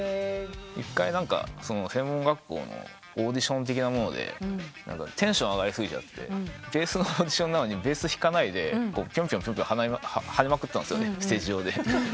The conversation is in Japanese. １回専門学校のオーディション的なものでテンション上がり過ぎちゃってベースのオーディションなのにベース弾かないでぴょんぴょん跳ねまくってたんですステージ上で。